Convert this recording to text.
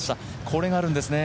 これがあるんですね。